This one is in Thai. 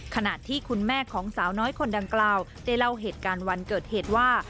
ขณะที่คุณแม่ของสาวน้อยคนดังกล่าวได้เล่าเหตุการณ์วันเกิดเหตุว่า